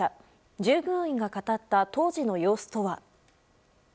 従業員が語った当時の様子とは。